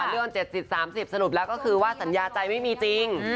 เรื่อง๗๐๓๐สรุปแล้วก็คือว่าสัญญาใจไม่มีจริง